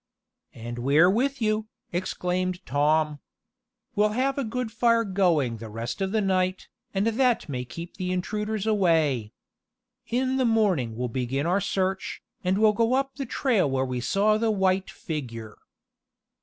"And we're with you!" exclaimed Tom. "We'll have a good fire going the rest of the night, and that may keep intruders away. In the morning we'll begin our search, and we'll go up the trail where we saw the white figure."